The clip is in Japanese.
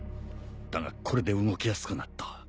だがこれで動きやすくなった。